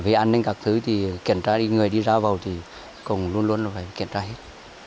về an ninh các thứ thì kiểm tra đi người đi ra vào thì cũng luôn luôn phải kiểm tra hết